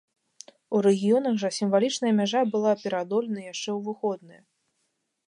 У рэгіёнах жа сімвалічная мяжа была пераадолена яшчэ ў выходныя.